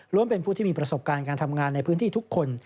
เป็นผู้ที่มีประสบการณ์การทำงานในพื้นที่ทุกคน